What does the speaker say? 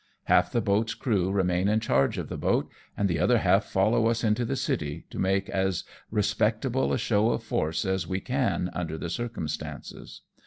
Half the boat's crew remain in charge of the boat, and the other half follow us up into the city, to make as respectable a show of force as we can under the circumstances.